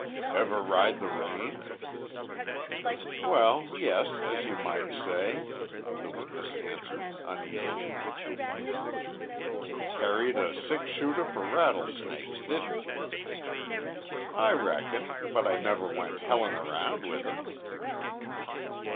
"Ever ride the range?" "Well, yes, as you might say," the witness answered uneasily. "Carried a six shooter for rattlesnakes, didn't you?" "I reckon, but I never went hellin' around with it."